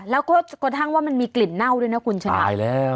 แล้วก็ค่อนข้างว่ามันมีกลิ่นเน่าด้วยนะคุณฉะนั้นตายแล้ว